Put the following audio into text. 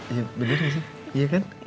iya bener sih iya kan